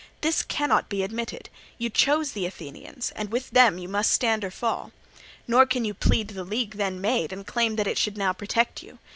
This cannot be admitted: you chose the Athenians, and with them you must stand or fall. Nor can you plead the league then made and claim that it should now protect you.